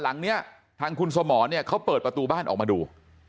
หลังนี้ทางคุณสมเขาเปิดประตูบ้านออกมาดู